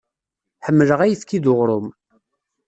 Ḥemmleɣ ayefki d uɣrum.